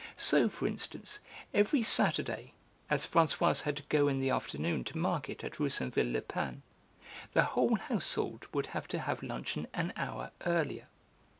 So, for instance, every Saturday, as Françoise had to go in the afternoon to market at Roussainville le Pin, the whole household would have to have luncheon an hour earlier.